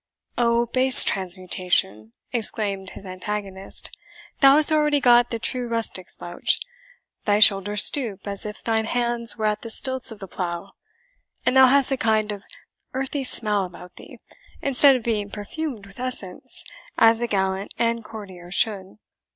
"O base transmutation!" exclaimed his antagonist; "thou hast already got the true rustic slouch thy shoulders stoop, as if thine hands were at the stilts of the plough; and thou hast a kind of earthy smell about thee, instead of being perfumed with essence, as a gallant and courtier should.